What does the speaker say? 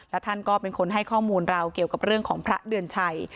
และท่านก็เป็นคนให้ข้อมูลเราเกี่ยวกับเรื่องของพระเดือนชัย